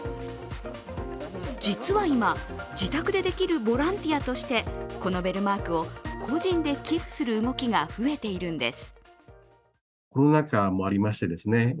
実は今、自宅でできるボランティアとしてこのベルマークを個人で寄付する動きがふえているんです。